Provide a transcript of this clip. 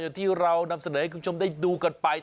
ที่เรานำเสนอให้คุณผู้ชมได้ดูกันไป